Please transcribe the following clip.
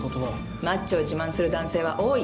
マッチョを自慢する男性は多い。